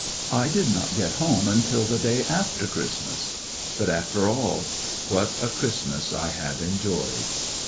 I did not get home until the day after Christmas. But, after all, what a Christmas I had enjoyed